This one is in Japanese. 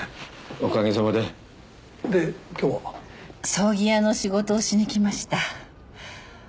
葬儀屋の仕事をしに来ました。